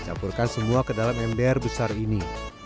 campurkan semua ke dalam ember besar ini